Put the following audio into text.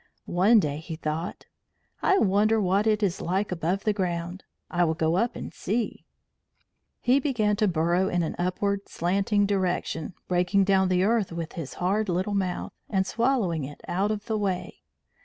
One day he thought: "I wonder what it is like above the ground? I will go up and see." He began to burrow in an upward, slanting direction, breaking down the earth with his hard little mouth, and swallowing it out of the way.